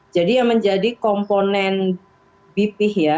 jadi yang menjadi komponen bipih ya